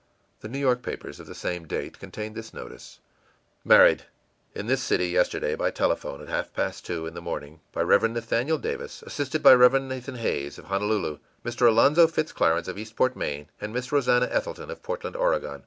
The New York papers of the same date contained this notice: MARRIED. In this city, yesterday, by telephone, at half past two in the morning, by Rev. Nathaniel Davis, assisted by Rev. Nathan Hays, of Honolulu, Mr. Alonzo Fitz Clarence, of Eastport, Maine, and Miss Rosannah Ethelton, of Portland, Oregon.